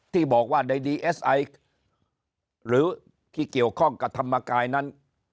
ที่บอกว่าในดีเอสไอหรือที่เกี่ยวข้องกับธรรมกายนั้น